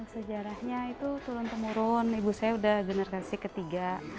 sejarahnya itu turun temurun ibu saya udah generasi ketiga